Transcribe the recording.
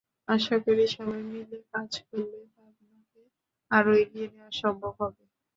আশা করি সবাই মিলে কাজ করলে পাবনাকে আরও এগিয়ে নেওয়া সম্ভব হবে।